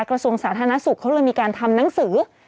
กระทรวงสาธารณสุขเขาเลยมีการทำหนังสือ